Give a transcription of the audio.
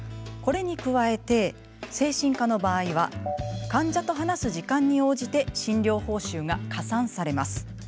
これに加えて、精神科の場合は患者と話す時間に応じて診療報酬が加算されます。